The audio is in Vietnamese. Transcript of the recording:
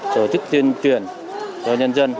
tổ chức tuyên truyền cho nhân dân